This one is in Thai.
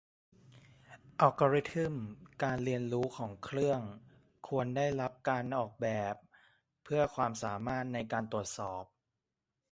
อัลกอริทึมการเรียนรู้ของเครื่องควรได้รับการออกแบบเพื่อความสามารถในการตรวจสอบ